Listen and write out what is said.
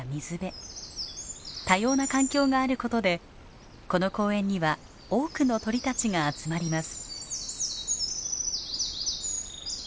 多様な環境があることでこの公園には多くの鳥たちが集まります。